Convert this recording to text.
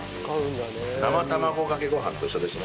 生卵かけご飯と一緒ですね。